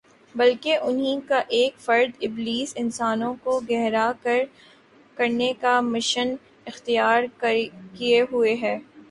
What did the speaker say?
بلکہ انھی کا ایک فرد ابلیس انسانوں کو گمراہ کرنے کا مشن اختیار کیے ہوئے ہے